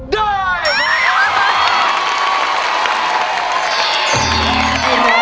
เพื่อนมีทางที่ไป